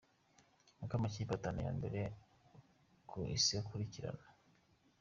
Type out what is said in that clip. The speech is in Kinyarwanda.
Uko amakipe atanu ya mbere ku isi akurikirana.